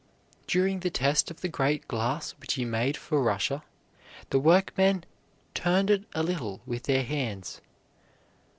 During the test of the great glass which he made for Russia, the workmen turned it a little with their hands.